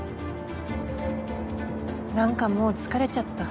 何かもう疲れちゃった。